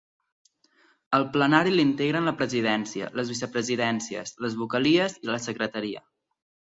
El plenari l'integren la presidència, les vicepresidències, les vocalies i la secretaria.